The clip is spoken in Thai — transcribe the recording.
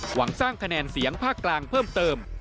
หวังสร้างคะแนนเสียงภาคกลางเพิ่มเติม